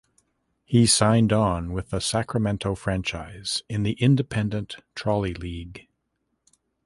He signed on with the Sacramento franchise in the independent Trolley League.